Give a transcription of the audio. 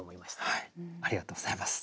ありがとうございます。